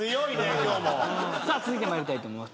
さあ続いて参りたいと思います。